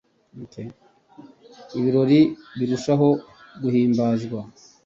ibirori birushaho guhimbazwa